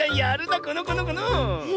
このこのこの！へへ！